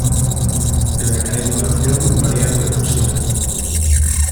El mecanismo de acción varía entre toxinas.